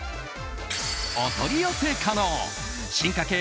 お取り寄せ可能進化系